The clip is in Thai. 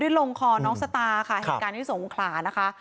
ได้ลงคอน้องสตาร์ค่ะแห่งการที่ส่งขวงขลานะคะ